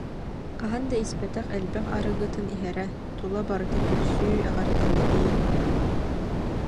Хаһан да испэтэх элбэх арыгытын иһэрэ, тула барыта күлсүү, эҕэрдэлэһии